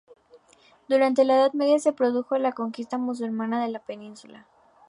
Durante la edad media se produjo la conquista musulmana de la península.